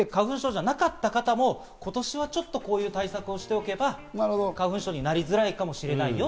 今までやってなくて、花粉症じゃなかった方も今年はこういう対策をしておけば花粉症になりづらいかもしれないよと。